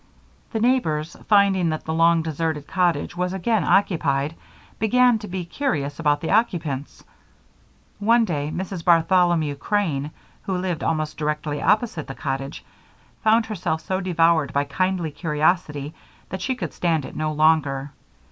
The neighbors, finding that the long deserted cottage was again occupied, began to be curious about the occupants. One day Mrs. Bartholomew Crane, who lived almost directly opposite the cottage, found herself so devoured by kindly curiosity that she could stand it no longer.